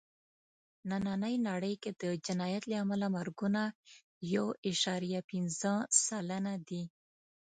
نننۍ نړۍ کې د جنایت له امله مرګونه یو عشاریه پینځه سلنه دي.